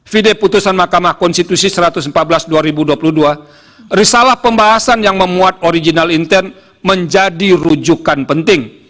risalah pembahasan yang memuat original intent menjadi rujukan penting